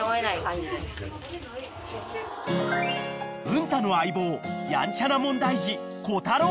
［文太の相棒やんちゃな問題児］